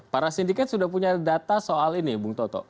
para sindiket sudah punya data soal ini bung toto